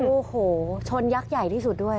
โอ้โหชนยักษ์ใหญ่ที่สุดด้วย